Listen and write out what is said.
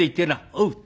「おう！」。